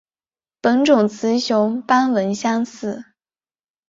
本种雌雄斑纹相似。